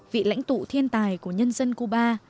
vị lãnh tụ thiên tài của nhân dân cuba